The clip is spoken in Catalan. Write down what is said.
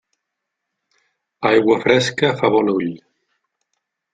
Aigua fresca fa bon ull.